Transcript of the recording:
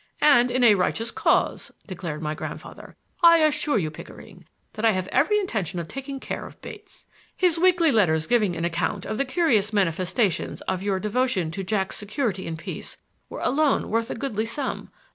"And in a righteous cause," declared my grandfather. "I assure you, Pickering, that I have every intention of taking care of Bates. His weekly letters giving an account of the curious manifestations of your devotion to Jack's security and peace were alone worth a goodly sum.